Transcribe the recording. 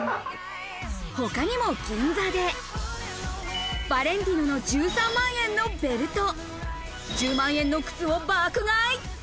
他にも銀座で、ヴァレンティノの１３万円のベルト、１０万円の靴を爆買い。